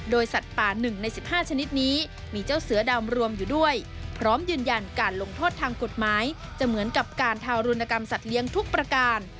โดยสัตว์ป่า๑ใน๑๕ชนิดนี้มีเจ้าเสือดำรวมอยู่ด้วยพร้อมยืนยันการลงโทษทางกฎหมายจะเหมือนกับการทารุณกรรมสัตว์เลี้ยงทุกประการ